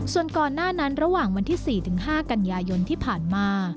ส่วนก่อนหน้านั้นระหว่างวันที่๔๕กันยายนที่ผ่านมา